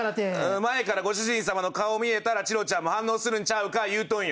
前からご主人さまの顔見えたらチロちゃんも反応するんちゃうんか言うとんよ。